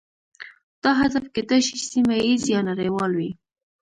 دا هدف کیدای شي سیمه ایز یا نړیوال وي